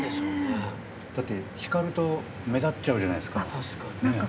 だって、光ると目立っちゃうじゃないですか。